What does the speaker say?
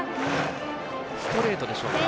ストレートでしょうか。